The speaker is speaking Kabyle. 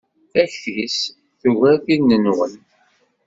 Takti-s tugar tin-nwen.